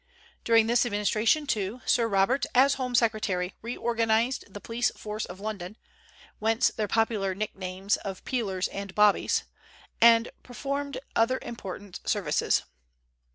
During this administration, too, Sir Robert, as home secretary, reorganized the police force of London (whence their popular nicknames of "Peelers" and "Bobbies"), and performed other important services.